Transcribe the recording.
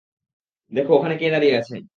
দেখো ওখানে কে দাঁড়িয়ে আছে।